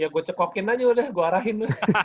gue cekokin aja udah gue arahin